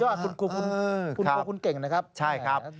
ว่าคุณครูคุณเก่งนะครับใช่ครับ